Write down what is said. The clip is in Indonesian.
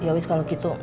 ya wis kalau gitu